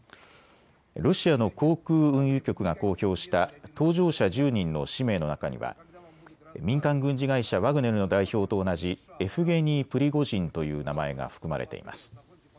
ロシアの航空運輸局が公表した搭乗者１０人の氏名の中には民間軍事会社、ワグネルの代表と同じエフゲニー・プリゴジンという名前が含まれています。